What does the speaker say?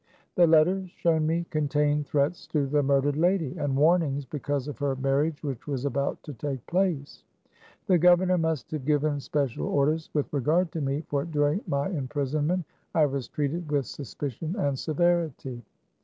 The letters shown me contained threats to the murdered lady, and warnings because of her mar riage which was about to take place. The governor must have given special orders with regard to me, for during yay imprisonment I was treated with suspicion and severity.